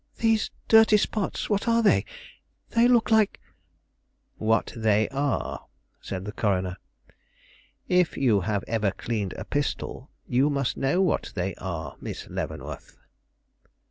"These dirty spots! What are they? They look like "" what they are," said the coroner. "If you have ever cleaned a pistol, you must know what they are, Miss Leavenworth."